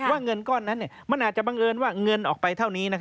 เงินก้อนนั้นมันอาจจะบังเอิญว่าเงินออกไปเท่านี้